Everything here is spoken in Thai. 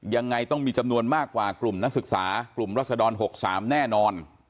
ยังไงต้องมีจำนวนมากกว่ากลุ่มนักศึกษากลุ่มรัศดร๖๓แน่นอน